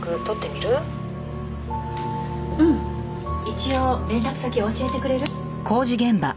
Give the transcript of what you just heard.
一応連絡先を教えてくれる？